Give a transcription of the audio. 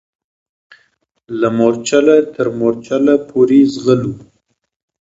له مورچله تر مورچله پوري ځغلو